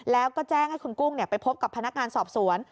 แล้วก็แจ้งให้คุณกุ้งไปพบกับพนักงานสอบสวน